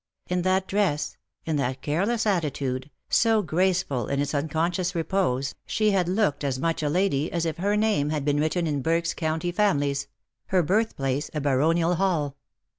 In that dress, in that careless attitude, so graceful in its unconscious repose, she had looked as much a lady as if her name had been written in Burke's " County Families," her birthplace a baronial hall.